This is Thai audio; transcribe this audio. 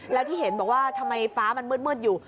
แล้วที่เห็นบอกว่าทำไมฟ้ามันมืดอยู่